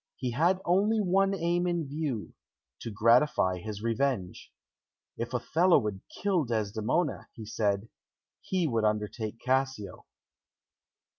He had only one aim in view to gratify his revenge. If Othello would kill Desdemona, he said, he would undertake Cassio.